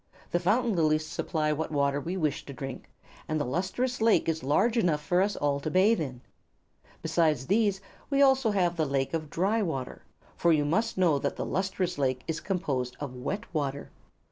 "The fountain lilies supply what water we wish to drink, and the Lustrous Lake is large enough for us all to bathe in. Besides these, we have also the Lake of Dry Water, for you must know that the Lustrous Lake is composed of wet water."